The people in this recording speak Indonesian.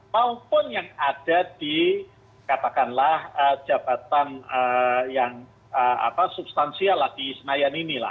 maupun yang ada di katakanlah jabatan yang substansial lah di senayan ini lah